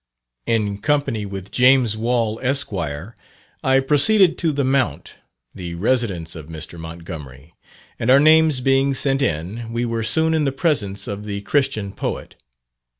In company with James Wall, Esq., I proceeded to The Mount, the residence of Mr. Montgomery; and our names being sent in, we were soon in the presence of the "Christian Poet."